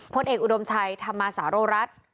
พลเอกอะดมชัยทำมาสารโลรัส